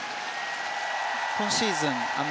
今シーズン